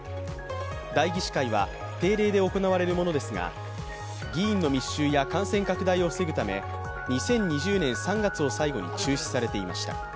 代議士会は定例で行われるものですが議員の密集や感染拡大を防ぐため２０２０年３月を最後に中止されていました。